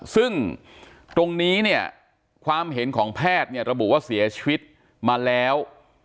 ซึ่งตรงนี้เนี่ยความเห็นของแพทย์เนี่ยระบุว่าเสียชีวิตมาแล้ว